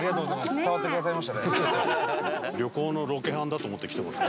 旅行のロケハンだと思って来てますから。